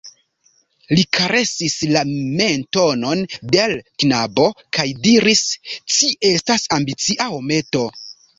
Li karesis la mentonon de l' knabo kaj diris: "Ci estas ambicia, hometo!"